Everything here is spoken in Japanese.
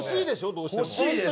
どうしても。